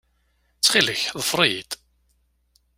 Ttxil-k, ḍfer-iyi-d.